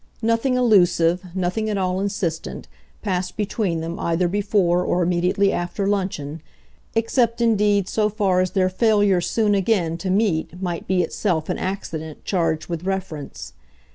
Nothing allusive, nothing at all insistent, passed between them either before or immediately after luncheon except indeed so far as their failure soon again to meet might be itself an accident charged with reference.